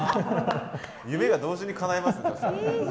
夢が同時にかないますねそしたら。